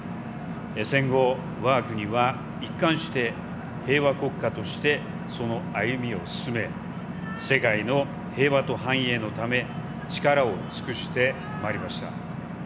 戦後、わが国は一貫して平和国家として、その歩みを進め世界の平和と繁栄のため力を尽くしてまいりました。